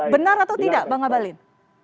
benar atau tidak bang ngabalin